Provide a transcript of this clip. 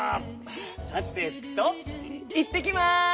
さてといってきます！